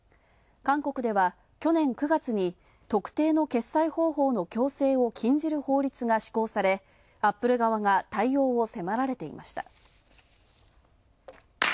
韓国では、去年９月に特定の決算方法の強制を禁じる法律が施行され、アップル側が対応を迫られていました。